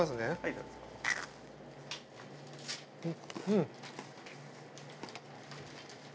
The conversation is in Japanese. うん！